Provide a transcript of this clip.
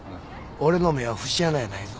俺の目は節穴やないぞ。